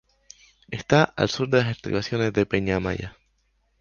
Está al sur de las estribaciones de Peña Amaya.